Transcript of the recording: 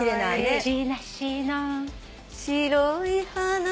「くちなしの白い花」？